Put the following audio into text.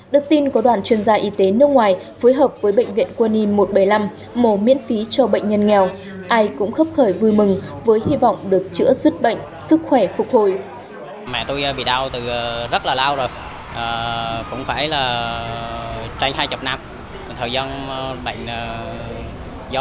được tin có đoàn chuyên gia y tế nước ngoài phối hợp với bệnh viện quân y một trăm bảy mươi năm mổ miễn phí cho bệnh nhân nghèo ai cũng khớp khởi vui mừng với hy vọng được chữa sức bệnh sức khỏe phục hồi